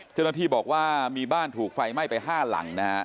เจ้าหน้าที่บอกว่ามีบ้านถูกไฟไหม้ไป๕หลังนะฮะ